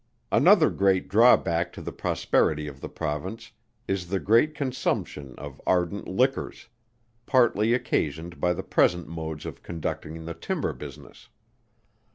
Another great drawback to the prosperity of the Province is the great consumption of ardent liquors partly occasioned by the present modes of conducting the timber business.